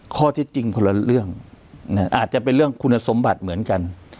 ข้อเท็จจริงคนละเรื่องอาจจะเป็นเรื่องคุณสมบัติเหมือนกัน